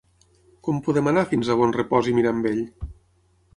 Com podem anar fins a Bonrepòs i Mirambell?